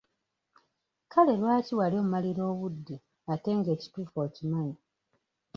Kale lwaki wali ommalira obudde ate nga ekituufu okimanyi?